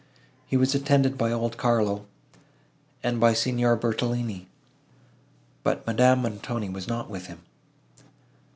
He was attended by old Carlo and by Signor Bertolini, but Madame Montoni was not with him.